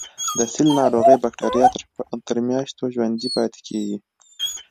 د سل ناروغۍ بکټریا تر میاشتو ژوندي پاتې کیږي.